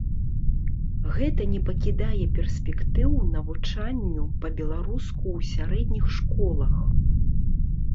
Гэта не пакідае перспектыў навучанню па-беларуску ў сярэдніх школах.